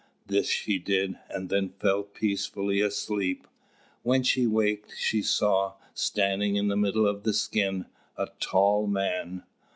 This she did, and then fell peacefully asleep. When she waked, she saw, standing in the middle of the skin, a tall man.